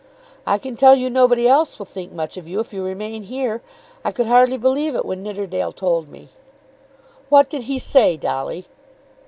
"I can tell you nobody else will think much of you if you remain here. I could hardly believe it when Nidderdale told me." "What did he say, Dolly?"